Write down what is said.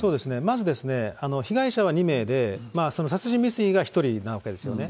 まず、被害者は２名で、殺人未遂が１人なわけですよね。